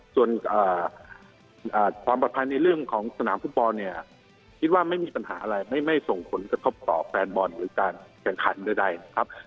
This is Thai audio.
ส่วนความปลอดภัยในเรื่องของสนามฟุตบอลเนี่ยคิดว่าไม่มีปัญหาอะไรไม่ส่งผลกระทบต่อแฟนบอลหรือการแข่งขันใดนะครับ